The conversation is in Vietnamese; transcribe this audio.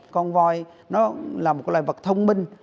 con voi nó là một loài vật thông minh